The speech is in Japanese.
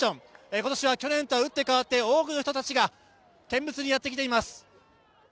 今年は去年とは打って変わって多くの人達が見物にやってきています